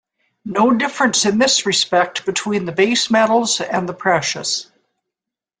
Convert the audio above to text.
No difference in this respect between the base metals and the precious.